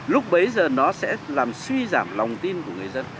lúc bấy giờ nó sẽ làm suy giảm lòng tin của người dân